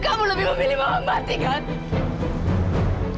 kamu lebih memilih mama mati kan